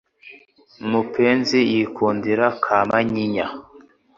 Mupenzi yikundira ka manyinya